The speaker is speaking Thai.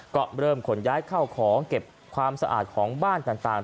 ก็เริ่มขนย้ายเข้าของเก็บความสะอาดของบ้านต่าง